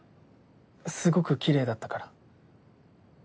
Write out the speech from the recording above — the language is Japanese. すごくきれいだったから。